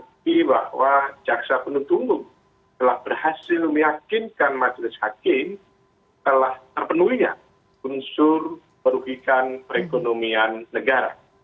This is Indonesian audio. di mana saya kira bahwa jaksa penutup umum telah berhasil meyakinkan majelis hakim telah terpenuhinya unsur merugikan perekonomian negara